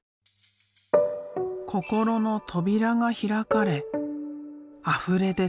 心の扉が開かれあふれ出た。